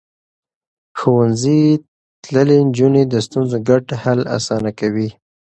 ښوونځی تللې نجونې د ستونزو ګډ حل اسانه کوي.